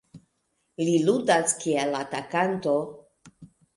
Li ludas kiel atakanto.